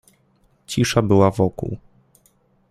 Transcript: Cisza była wokół.